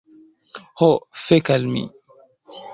Ho, fek' al mi